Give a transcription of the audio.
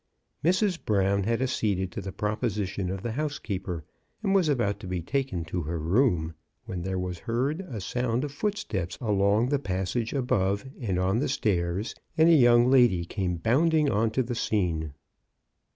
Mrs. Brown had acceded to the proposition of the housekeeper, and was about to be taken to her room, when there was heard a sound of footsteps along the passage above and on the stairs, and a young lady came bounding on to the scene.